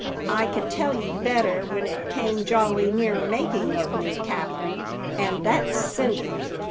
"I can tell you better what it came jolly near making of me, captain, and that's cinders!